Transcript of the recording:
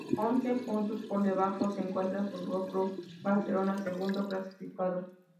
Once puntos por debajo se encuentra el Fútbol Club Barcelona, segundo clasificado.